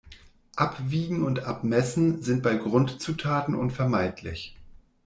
Abwiegen und Abmessen sind bei Grundzutaten unvermeidlich.